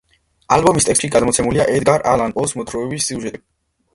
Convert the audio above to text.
ალბომის ტექსტებში გადმოცემულია ედგარ ალან პოს მოთხრობების სიუჟეტები.